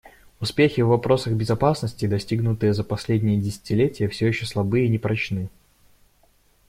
Успехи в вопросах безопасности, достигнутые за последнее десятилетие, все еще слабы и непрочны.